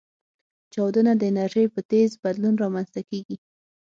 چاودنه د انرژۍ په تیز بدلون رامنځته کېږي.